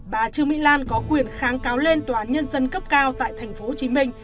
bà trương mỹ lan có quyền kháng cáo lên tòa án nhân dân cấp cao tại tp hcm